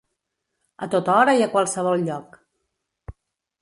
A tota hora i a qualsevol lloc.